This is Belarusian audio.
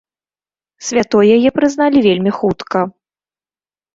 Святой яе прызналі вельмі хутка.